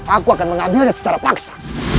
aku akan mengambilnya secara paksa